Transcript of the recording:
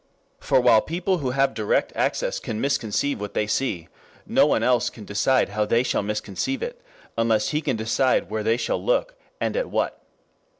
For while people who have direct access can misconceive what they see, no one else can decide how they shall misconceive it, unless he can decide where they shall look, and at what.